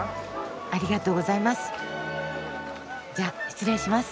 ありがとうございます。